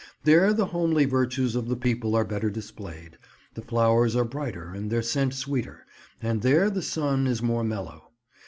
There the homely virtues of the people are better displayed; the flowers are brighter and their scent sweeter; and there the sun is more mellow.